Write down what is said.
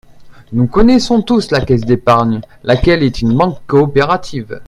Nous connaissons tous la Caisse d’épargne, laquelle est une banque coopérative.